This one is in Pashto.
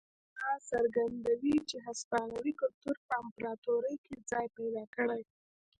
دا څرګندوي چې هسپانوي کلتور په امپراتورۍ کې ځای پیدا کړی.